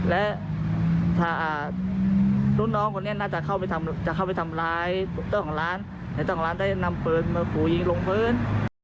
และถ้ารุ่นน้องคนนี้น่าจะเข้าไปจะเข้าไปทำร้ายเจ้าของร้านในเจ้าของร้านได้นำปืนมาขู่ยิงลงพื้น